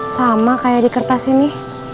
sama kayak di kertas ini